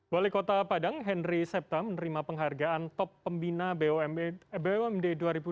wali kota padang henry septa menerima penghargaan top pembina bumd dua ribu dua puluh